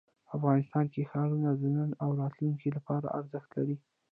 افغانستان کې ښارونه د نن او راتلونکي لپاره ارزښت لري.